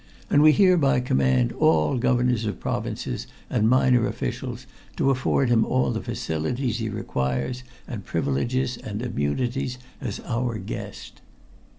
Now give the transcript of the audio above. And we hereby command all Governors of Provinces and minor officials to afford him all the facilities he requires and privileges and immunities as Our guest."